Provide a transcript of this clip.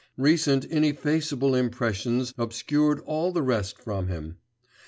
Recent ineffaceable impressions obscured all the rest from him.